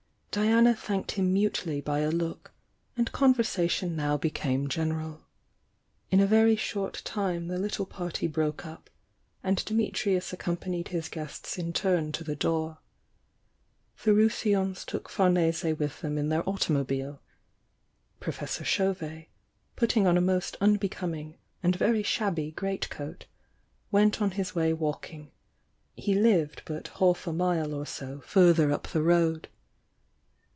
Diana thanked him mutely by a look, and con versation now became general. In a very short time the little party broke up, and Dimitrins accompa nied his guests in turn to the door. The Rousillons took Famese with them in their automobile, — Pro fessor Chauvet, putting on a most unbecoming and very shabby great coat, went on his way walking — he lived but half a mile or so further up the road.